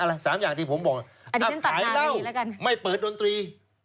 อะไรสามอย่างที่ผมบอกอันนี้ฉันตัดนารีแล้วกันอ่าขายเหล้าไม่เปิดดนตรี